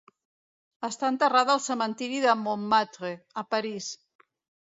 Està enterrada al cementiri de Montmartre, a París.